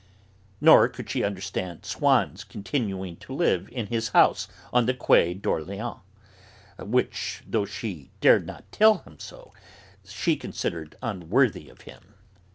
Nor could she understand Swann's continuing to live in his house on the Quai d'Orléans, which, though she dared not tell him so, she considered unworthy of him.